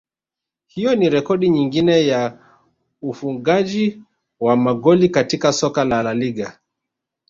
Hiyo ni rekodi nyingine ya ufungaji wa magoli katika soka la LaLiga